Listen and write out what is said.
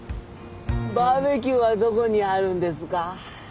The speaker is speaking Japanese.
バーベキューはどこにあるんですか？